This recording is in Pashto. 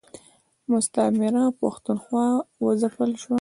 مستعمره پښتونخوا و ځپل شوه.